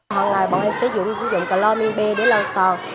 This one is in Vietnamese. hằng ngày bọn em sử dụng cloramin b để lau sàn